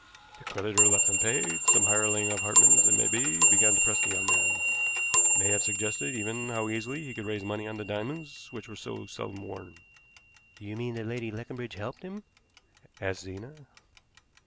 The creditor left unpaid, some hireling of Hartmann's it may be, began to press the young man may have suggested, even, how easily he could raise money on the diamonds, which were so seldom worn." "Do you mean that Lady Leconbridge helped him?" asked Zena.